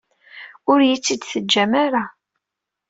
Ur iyi-tt-id-teǧǧam ara.